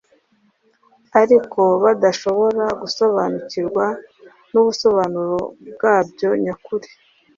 ariko badashobora gusobanukirwa n’ubusobanuro bwabyo nyakuri.